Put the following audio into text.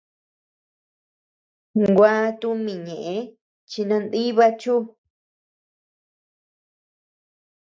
Gua tumi ñeʼe chi nandiba chu.